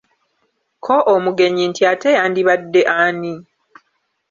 Ko Omugenyi nti Ate yandibadde ani?